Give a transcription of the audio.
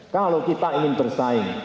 kalau kita ingin bersaing